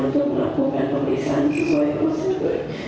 untuk melakukan pemiksaan sesuai proses